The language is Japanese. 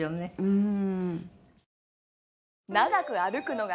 うん。